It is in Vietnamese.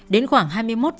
đến khoảng hai mươi một h